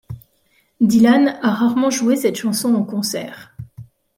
Dylan a rarement joué cette chanson en concert.